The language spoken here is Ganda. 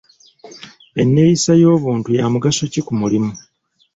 Enneeyisa ey'obuntu ya mugaso ki ku mulimu?